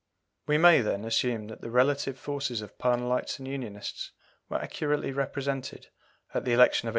We may, then, assume that the relative forces of Parnellites and Unionists were accurately represented at the election of 1885.